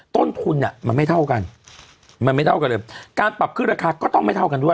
ต้นทุนอ่ะมันไม่เท่ากันมันไม่เท่ากันเลยการปรับขึ้นราคาก็ต้องไม่เท่ากันด้วย